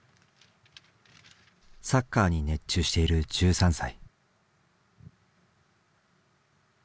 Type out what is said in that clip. サッカーに熱中している１３歳。